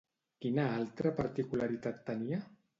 Quina altra particularitat tenia?